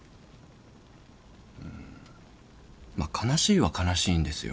まあ悲しいは悲しいんですよ。